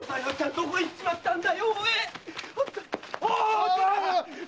どこいっちまったんだ